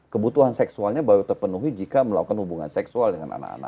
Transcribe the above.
kebutuhan seksualnya baru terpenuhi jika melakukan hubungan seksual dengan anak anak